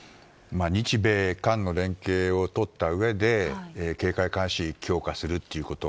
日米韓の連携を取ったうえで警戒監視を強化するということ。